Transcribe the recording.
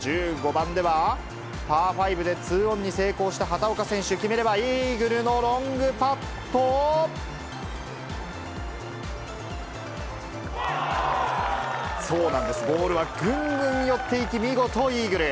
１５番では、パー５で２オンに成功した畑岡選手、決めればイーグルのロングパットを、そうなんです、ボールはぐんぐん寄っていき、見事イーグル。